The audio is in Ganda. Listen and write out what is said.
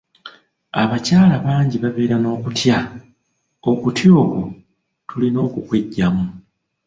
Abakyala bangi babeera n'okutya, okutya okwo tulina okukweggyamu.